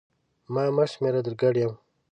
ما مه شمېره در ګډ یم!